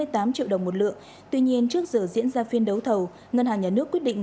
triệu đồng một lượng tuy nhiên trước giờ diễn ra phiên đấu thầu ngân hàng nhà nước quyết định